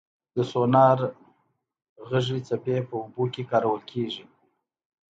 د سونار غږي څپې په اوبو کې کارول کېږي.